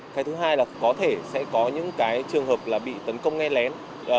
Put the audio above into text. cái thứ hai là có thể sẽ có những trường hợp bị tấn công nghe lén